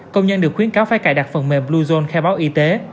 công nhân được khuyến cáo phải cài đặt phần mềm bluezone khai báo y tế